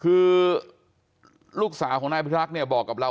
ความปลอดภัยของนายอภิรักษ์และครอบครัวด้วยซ้ำ